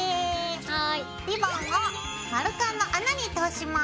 リボンを丸カンの穴に通します。